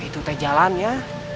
itu teh jalan ya